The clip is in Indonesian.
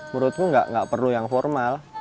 menurutmu nggak perlu yang formal